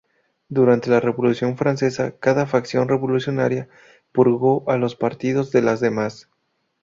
Durante la Revolución francesa cada facción revolucionaria purgó a los partidarios de las demás.